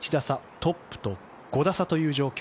トップと５打差という状況。